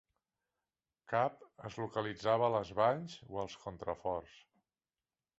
Cap es localitzava a les valls o als contraforts.